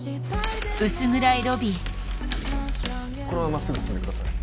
このまま真っすぐ進んでください。